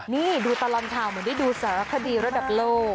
นี่ดูตลอดข่าวเหมือนได้ดูสารคดีระดับโลก